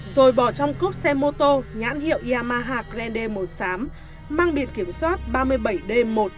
rồi bỏ trong cốc xe mô tô nhãn hiệu yamaha grand d một xám mang biển kiểm soát ba mươi bảy d một